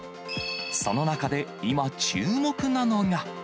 その中で今、注目なのが。